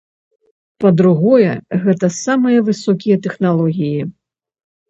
Па-другое, гэта самыя высокія тэхналогіі.